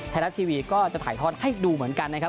ไทยรัฐทีวีก็จะถ่ายทอดให้ดูเหมือนกันนะครับ